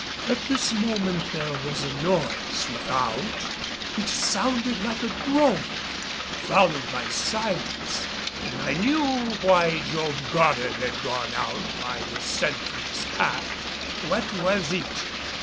At this moment there was a noise without, which sounded like a groan, followed by silence, and I knew why Job Goddard had gone out by the sentry's path. "What was it?"